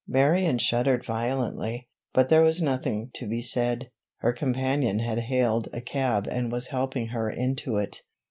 Marion shuddered violently, but there was nothing to be said. Her companion had hailed a cab and was helping her into it.